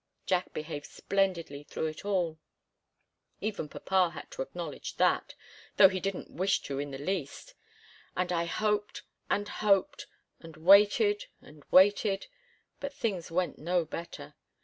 Jack behaved splendidly through it all even papa had to acknowledge that, though he didn't wish to in the least. And I hoped and hoped, and waited and waited, but things went no better.